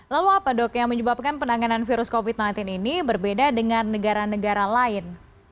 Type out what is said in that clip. lalu apa dok yang menyebabkan penanganan virus covid sembilan belas ini berbeda dengan negara negara lain